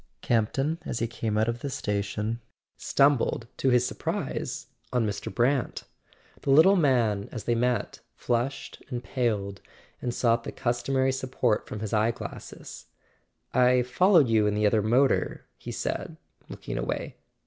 Campton, as he came out of the station, stumbled, to his surprise, on Mr. Brant. The little man, as they met, flushed and paled, and sought the customary support from his eye glasses. "I followed you in the other motor," he said, looking away.